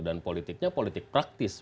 dan politiknya politik praktis